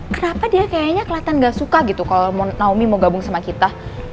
kenapa dia kayaknya keliatan gak suka gitu kalo naomi mau gabung sama kita